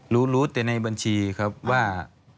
รู้รู้แต่ในบัญชีครับว่า